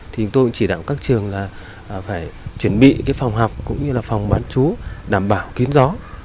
thì tôi cũng chỉ đạo các trường là phải chuẩn bị phòng học cũng như là phòng bán chú đảm bảo kiến rõ